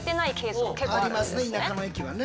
ありますね田舎の駅はね。